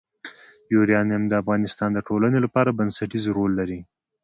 یورانیم د افغانستان د ټولنې لپاره بنسټيز رول لري.